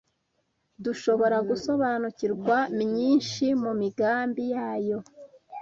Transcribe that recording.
Dushobora gusobanukirwa myinshi mu migambi yayo